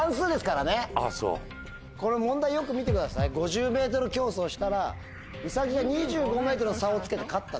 あぁそう。問題よく見てください５０ｍ競走したらウサギが２５ｍの差をつけて勝ったんです。